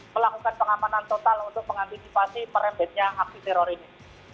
melakukan pengapanan total untuk mengantisipasi perempetnya haksi teror ini